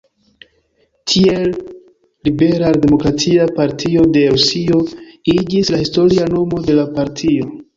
Tiel, "liberal-demokratia partio de Rusio" iĝis la historia nomo de la partio.